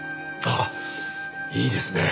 あっいいですね。